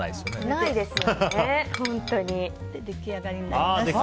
出来上がりになります。